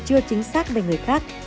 chưa chính xác về người khác